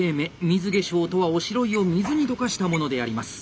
水化粧とはおしろいを水に溶かしたものであります。